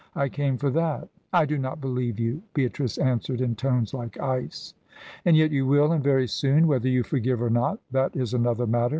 I came for that." "I do not believe you," Beatrice answered in tones like ice. "And yet you will, and very soon. Whether you forgive or not that is another matter.